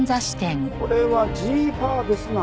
これはジーファーですな。